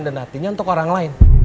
dan hatinya untuk orang lain